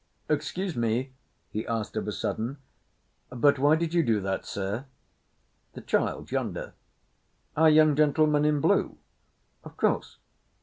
"Excuse me," he asked of a sudden, "but why did you do that, Sir?" "The child yonder." "Our young gentleman in blue?" "Of course."